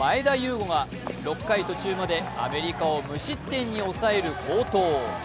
伍が６回途中までアメリカを無失点に抑える好投。